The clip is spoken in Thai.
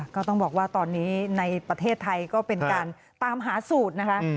ก็ต้องบอกว่าตอนนี้ในประเทศไทยก็เป็นการตามหาสูตรนะคะ